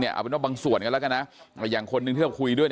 เอาเป็นว่าบางส่วนกันแล้วกันนะอย่างคนหนึ่งที่เราคุยด้วย